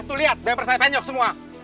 tuh lihat bemper saya penyok semua